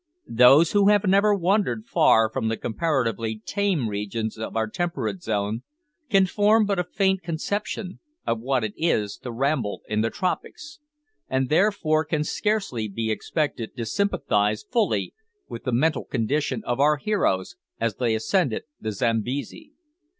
Those who have never wandered far from the comparatively tame regions of our temperate zone, can form but a faint conception of what it is to ramble in the tropics, and therefore can scarcely be expected to sympathise fully with the mental condition of our heroes as they ascended the Zambesi.